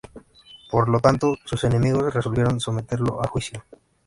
Por lo tanto, sus enemigos resolvieron someterlo a juicio.